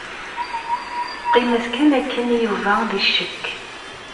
Teqqim-as kan akken i Yuba di ccekk.